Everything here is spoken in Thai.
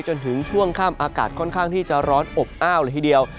จนถึงช่วงค่ำอากาศค่อนข้างที่จะร้อนอบอ้าวเลยทีเดียว